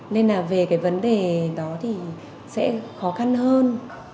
nên là về cái vấn đề đó thì sẽ khó khăn hơn